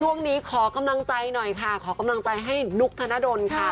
ช่วงนี้ขอกำลังใจหน่อยค่ะขอกำลังใจให้นุ๊กธรรมดนครับ